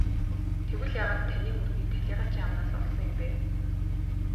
Тэгвэл яагаад таны хөрөгийг талийгаачийн амнаас олсон юм бэ?